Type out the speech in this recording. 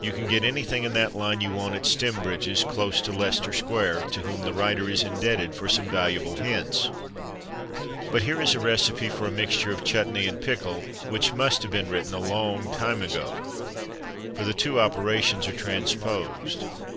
You can get anything in that line you want at Stembridge's, close to Leicester Square, to whom the writer is indebted for some valuable hints. But here is a recipe for a mixture of chutnee and pickle, which must have been written a long time ago; for the two operations are transposed.